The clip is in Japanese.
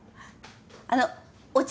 あのお茶